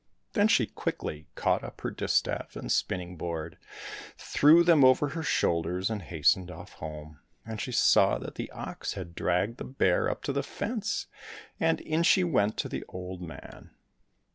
Then she quickly caught up her distaff and spinning board, threw them over her shoul ders, and hastened off home, and she saw that the ox had dragged the bear up to the fence, and in she went to the old man.